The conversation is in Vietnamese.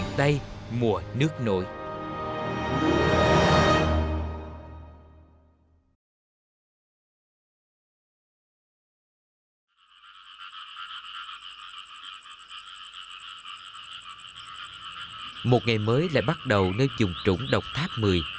ngày mới lại bắt đầu nơi dùng trũng đồng tháp một mươi